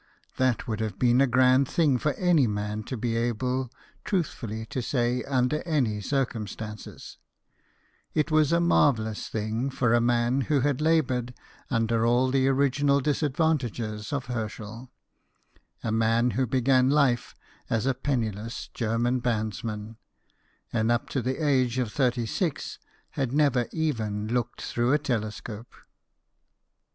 That would have been a grand thing for any man to be able truthfully to say under any circumstances : it was a marvellous thing for a man who had laboured under all the original disadvantages of Herschel a man who began life as a penniless German bandsman, and up to the age of thirty six had never even looked through a telescope.